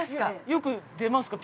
よく出ますか？